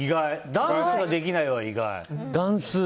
ダンスができないは意外。